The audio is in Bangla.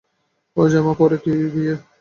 এই জামা পড়ে বিয়ে?